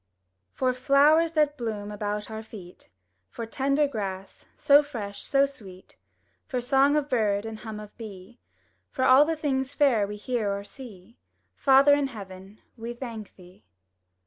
For flowers that bloom about our feet; For tender grass, so fresh, so sweet; For song of bird, and hum of bee; For all things fair we hear or see. Father in heaven, we thank Thee!